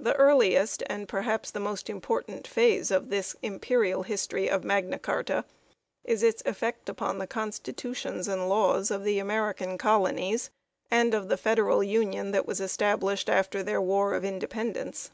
The earliest, and perhaps the most important phase of this imperial history of Magna Carta is its effect upon the constitutions and laws of the American colonies and of the Federal Union that was established after their War of Independence.